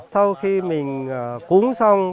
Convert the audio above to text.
sau khi mình cúng xong